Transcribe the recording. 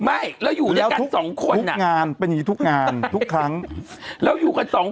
ไม่แล้วอยู่ด้วยกันสองคนอ่ะงานเป็นอย่างงี้ทุกงานทุกครั้งแล้วอยู่กันสองคน